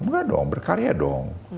nggak dong berkarya dong